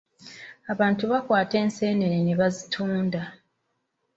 Abantu bakwata enseenene ne bazitunda.